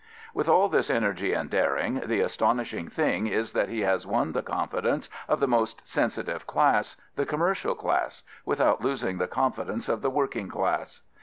With all this energy and daring, the astonishing thing is that he has won the confidence of the most sensitive class, the commercial class, without losing the confidence of the working class.